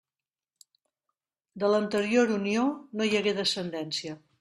De l'anterior unió no hi hagué descendència.